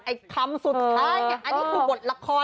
ไอ้คำสุดท้ายอันนี้ถูกบทละคร